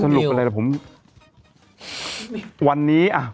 สรุปอะไรละผม